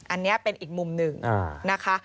อันนี้เป็นอีกมุมหนึ่งนะคะ